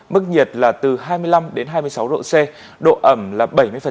mức nhiệt là từ hai mươi năm đến hai mươi sáu độ c độ ẩm là bảy mươi